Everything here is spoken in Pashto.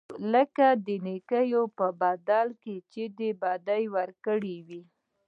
لکه د نېکۍ په بدل کې چې بدي کړې وي.